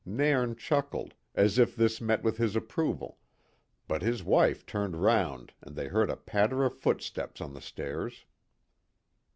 Nairn chuckled, as if this met with his approval, but his wife turned round and they heard a patter of footsteps on the stairs.